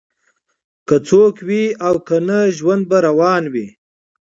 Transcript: که څوک وي او کنه ژوند به روان وي